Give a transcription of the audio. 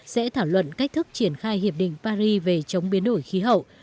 sẽ thảo luận cách thức triển khai hiệp định paris về chống biến đổi khí hậu